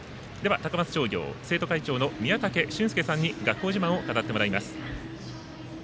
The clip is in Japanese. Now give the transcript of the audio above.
高松商業、生徒会長の宮武さんに学校自慢を語ってもらいます。